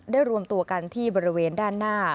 รวมตัวกันที่บริเวณด้านหน้า